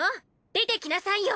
出てきなさいよ！